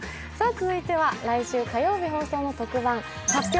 続いては来週火曜日放送の特番、「発表！